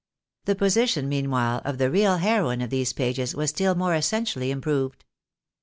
The position, meanwhile, of the real heroine of these pages was still more essentially improved.